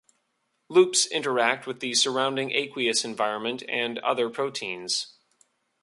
Loops interact with the surrounding aqueous environment and other proteins.